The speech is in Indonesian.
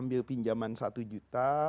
ambil pinjaman satu juta